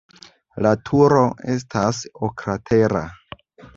La turo estas oklatera.